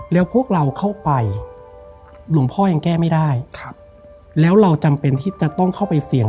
แล้วพวกเราเข้าไปหลวงพ่อยังแก้ไม่ได้ครับแล้วเราจำเป็นที่จะต้องเข้าไปเสี่ยง